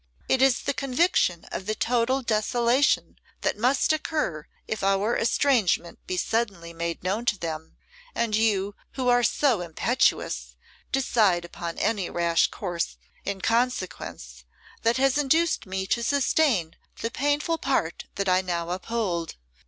It is the conviction of the total desolation that must occur if our estrangement be suddenly made known to them, and you, who are so impetuous, decide upon any rash course, in consequence, that has induced me to sustain the painful part that I now uphold.